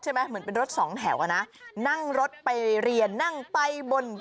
เหมือนเป็นรถสองแถวอ่ะนะนั่งรถไปเรียนนั่งไปบน